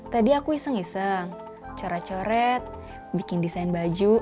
tadi aku iseng iseng corak coret bikin desain baju